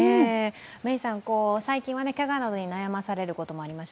最近はけがなどに悩まされることがありました